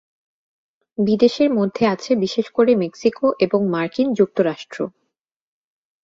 বিদেশের মধ্যে আছে বিশেষ করে মেক্সিকো এবং মার্কিন যুক্তরাষ্ট্র।